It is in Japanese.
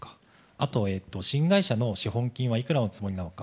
あと、新会社の資本金はいくらのつもりなのか。